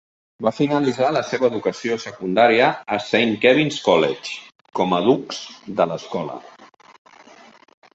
Va finalitzar la seva educació secundaria al Saint Kevin's College com a dux de l'escola.